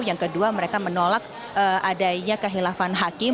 yang kedua mereka menolak adanya kehilafan hakim